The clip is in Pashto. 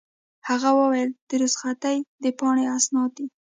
هغه وویل: د رخصتۍ د پاڼې اسناد دي.